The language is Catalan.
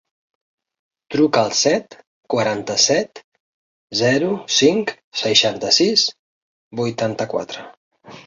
Truca al set, quaranta-set, zero, cinc, seixanta-sis, vuitanta-quatre.